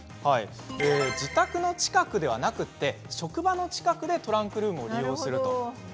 自宅の近くではなくて職場の近くでトランクルームを利用すると。